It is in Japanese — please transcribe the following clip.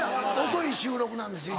遅い収録なんですよ